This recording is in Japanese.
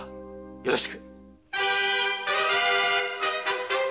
よろしく。